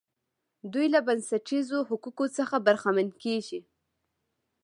دوی له بنسټیزو حقوقو څخه برخمن کیږي.